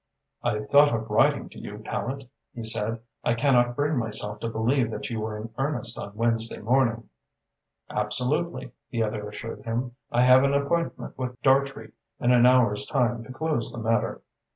"I thought of writing to you, Tallente," he said. "I cannot bring myself to believe that you were in earnest on Wednesday morning." "Absolutely," the other assured him. "I have an appointment with Dartrey in an hour's time to close the matter."